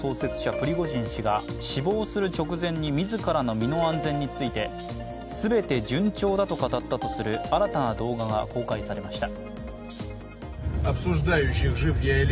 プリゴジン氏が死亡する直前に自らの身の安全について全て順調だと語ったとする新たな動画が公開されました。